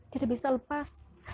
jadi bisa lepas